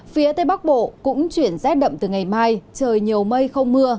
phía tây bắc bộ cũng chuyển rét đậm từ ngày mai trời nhiều mây không mưa